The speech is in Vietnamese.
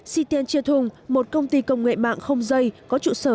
xitian chiatung một công ty công nghệ mạng không dây có trụ sở